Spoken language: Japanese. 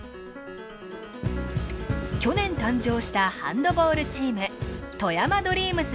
去年誕生したハンドボールチーム富山ドリームスです。